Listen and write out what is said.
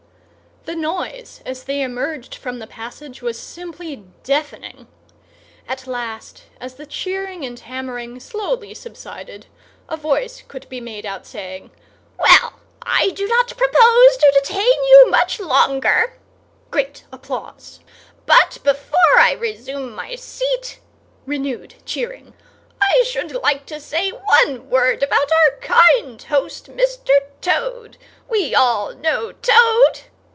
The noise, as they emerged from the passage, was simply deafening. At last, as the cheering and hammering slowly subsided, a voice could be made out saying, "Well, I do not propose to detain you much longer"—(great applause)—"but before I resume my seat"—(renewed cheering)—"I should like to say one word about our kind host, Mr. Toad. We all know Toad!"